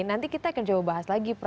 nanti kita akan coba bahas lagi